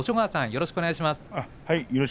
よろしくお願いします。